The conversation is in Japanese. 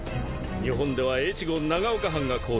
日本では越後長岡藩が購入。